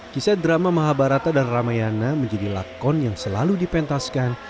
kisah drama mahabarata dan ramayana menjadi lakon yang selalu dipentaskan